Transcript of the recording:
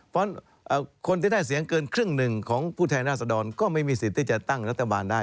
เพราะคนที่ได้เสียงเกินครึ่งหนึ่งของผู้แทนราษฎรก็ไม่มีสิทธิ์ที่จะตั้งรัฐบาลได้